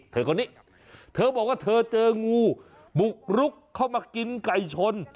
เธอคนนี้เธอบอกว่าเธอเจองูบุกรุกเข้ามากินไก่ชน